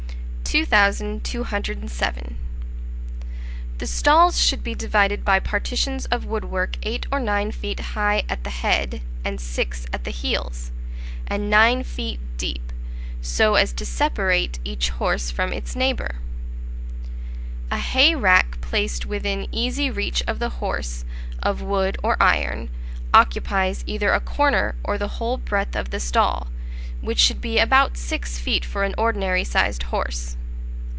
2207. The Stalls should be divided by partitions of wood work eight or nine feet high at the head and six at the heels, and nine feet deep, so as to separate each horse from its neighbour. A hay rack placed within easy reach of the horse, of wood or iron, occupies either a corner or the whole breadth of the stall, which should be about six feet for on ordinary sized horse.